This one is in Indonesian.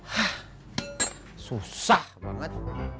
hah susah banget